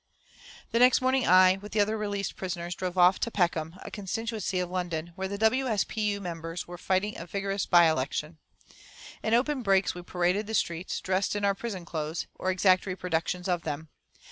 The next morning I, with the other released prisoners, drove off to Peckham, a constituency of London, where the W. S. P. U. members were fighting a vigorous by election. In open brakes we paraded the streets, dressed in our prison clothes, or exact reproductions of them.